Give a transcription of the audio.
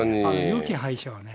よき敗者はね、